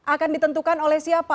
akan ditentukan oleh siapa